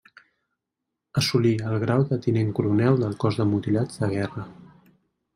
Assolí el grau de tinent coronel del cos de mutilats de guerra.